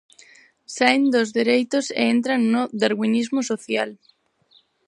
Saen dos dereitos e entran no darwinismo social.